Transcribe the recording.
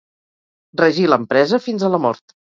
Regí l'empresa fins a la mort.